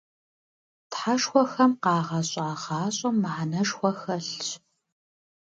Тхьэшхуэхэм къагъэщӀа гъащӀэм мыхьэнэшхуэ хэлъщ.